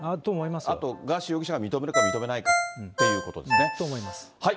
あと、ガーシー容疑者が認めるか認めないかということですね。